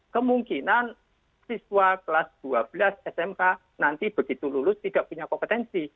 kemungkinan siswa kelas dua belas smk nanti begitu lulus tidak punya kompetensi